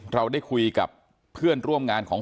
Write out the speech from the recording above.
เราได้คุยกับเพื่อนร่วมงานของ